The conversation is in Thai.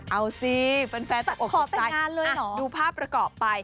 เอาสิเป็นแฟนเป็นของขนตัดใส่ดูภาพประกอบไป